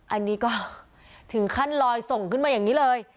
อันนี้ก็ถึงขั้นลอยส่งขึ้นมาอย่างนี้เลย